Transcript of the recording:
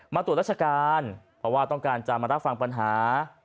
มาตรวจราชการเพราะว่าต้องการจะมารับฟังปัญหา